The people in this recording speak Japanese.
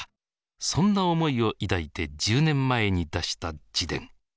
そんな思いを抱いて１０年前に出した自伝。